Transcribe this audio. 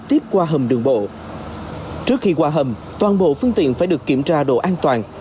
trước khi qua hầm toàn bộ phương tiện phải được kiểm tra độ an toàn